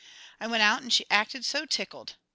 I went out and she acted so tickled.